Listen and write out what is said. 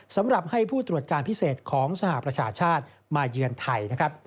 สำหรับให้ผู้ตรวจการพิเศษของสหประชาชาติมาเยือนไทยนะครับ